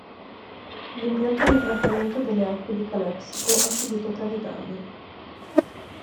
L'impianto di trattamento delle acque di Calexico ha subito gravi danni.